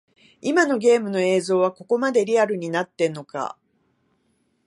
今のゲームの映像はここまでリアルになってんのか